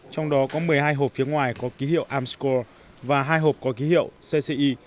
trong đó có một mươi hai hộp phía ngoài có ký hiệu amsco và hai hộp có ký hiệu cci